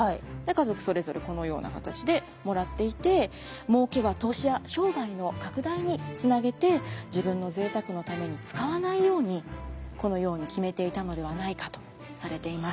家族それぞれこのような形でもらっていてもうけは投資や商売の拡大につなげて自分のぜいたくのために使わないようにこのように決めていたのではないかとされています。